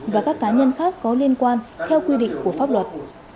và các cá nhân khác có liên quan theo quy định của pháp luật